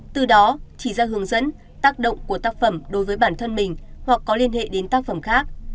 từ đó chỉ ra hướng dẫn tác động của tác phẩm đối với bản thân mình hoặc có liên hệ đến tác phẩm khác